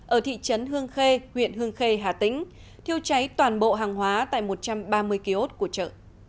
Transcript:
ở thị trấn hương khê huyện hương khê hà tĩnh thiêu cháy toàn bộ hàng hóa tại một trăm ba mươi kiosk của chợ